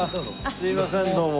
すみませんどうも。